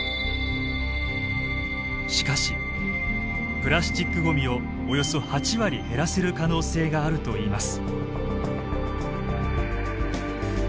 しかしプラスチックごみをおよそ８割減らせる可能性があるといいます。